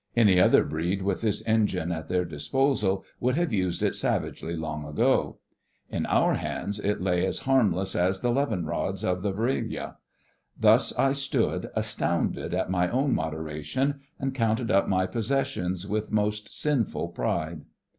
Any other breed with this engine at their disposal would have used it savagely long ago. In our hands it lay as harmless as the levin rods of the Vril Ya. Thus I stood, astounded at my own moderation, and counted up my possessions with most sinful pride.